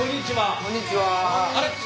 こんにちは。